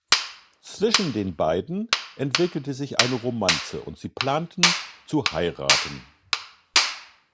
Zwischen den beiden entwickelte sich eine Romanze, und sie planten zu heiraten.